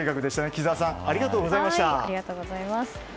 木沢さんありがとうございました。